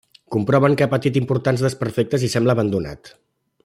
Comproven que ha patit importants desperfectes i sembla abandonat.